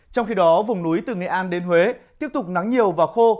trong khi đó vùng núi từ nghệ an đến huế tiếp tục nắng nhiều và khô